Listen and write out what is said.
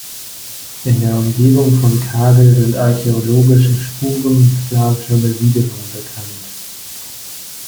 In der Umgebung von Kagel sind archäologische Spuren slawischer Besiedelung bekannt.